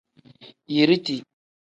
Yiriti.